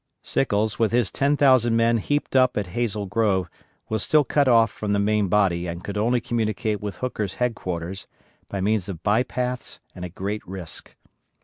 Sickles, with his ten thousand men heaped up at Hazel Grove, was still cut off from the main body and could only communicate with Hooker's headquarters by means of bypaths and at great risk.